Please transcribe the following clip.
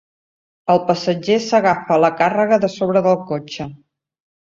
El passatger s'agafa a la càrrega de sobre del cotxe.